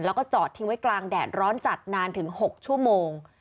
แล้วก็จอดทิ้งไว้กลางแดดร้อนจัดนานถึง๖ชั่วโมง